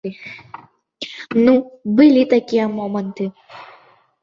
Ну, былі такія моманты.